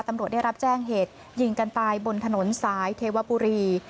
ตำรวจได้รับแจ้งเหตุยิงกันตายบนถนนสายเทวบุรี